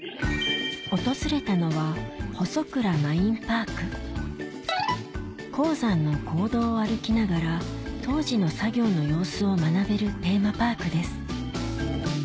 訪れたのは鉱山の坑道を歩きながら当時の作業の様子を学べるテーマパークです